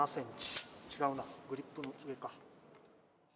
違うなグリップの上か。